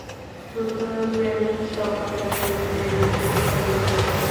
শুদ্ধ প্রেম সম্বন্ধে বেদ এইরূপ শিক্ষা দিয়াছেন।